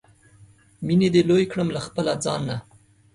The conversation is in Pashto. مینې دې لوی کړم له خپله ځانه